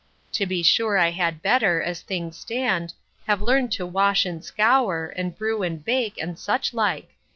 To be sure I had better, as things stand, have learned to wash and scour, and brew and bake, and such like.